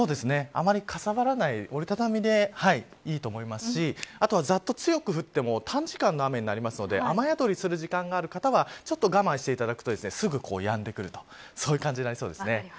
あまり、かさばらない折り畳みでいいと思いますしあとはざっと強く降っても短時間の雨になるので雨宿りする時間がある方はちょっと我慢していただくとすぐやんでくるという感じになりそうです。